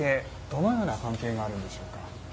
どのような関係があるんでしょうか？